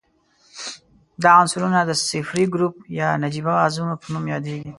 دا عنصرونه د صفري ګروپ یا نجیبه غازونو په نوم یادیږي.